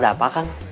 ada apa kan